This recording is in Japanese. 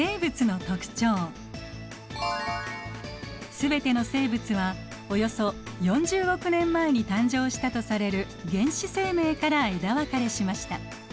全ての生物はおよそ４０億年前に誕生したとされる原始生命から枝分かれしました。